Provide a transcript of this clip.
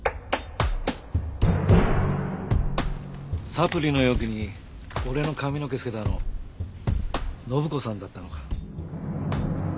サプリの容器に俺の髪の毛付けたの信子さんだったのか。